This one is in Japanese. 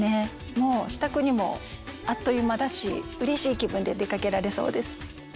もう支度にもあっという間だしうれしい気分で出かけられそうです。